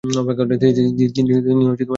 তিনি এলেন বলে।